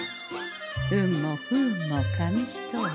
運も不運も紙一重。